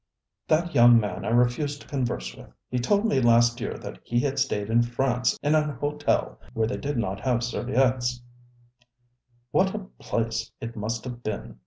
ŌĆ£That young man I refuse to converse with. He told me last year that he had stayed in France in an hotel where they did not have serviettes; what a place it must have been!